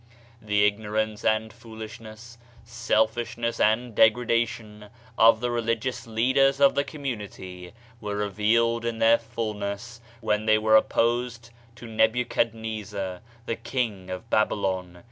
The ignorance and foolishness, selfishness and degrada tion of the religious leaders of the community were 89 Digitized by Google MYSTERIOUS FORCES revealed in their fulness when they were opposed to Nebuchadnezzar, the King of Babylon.